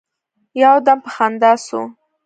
يو دم په خندا سو.